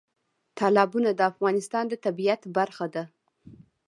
تالابونه د افغانستان د طبیعت برخه ده.